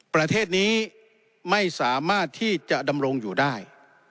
ประเทศนี้ไม่สามารถที่จะดำรงอยู่ได้